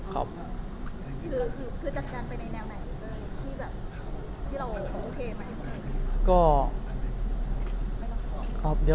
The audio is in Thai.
คือจัดการไปในแนวไหนที่แบบที่เราโอเคไหม